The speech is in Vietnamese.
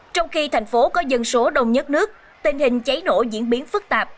trong khi thành phố có dân số đông nhất nước tình hình cháy nổ diễn biến phức tạp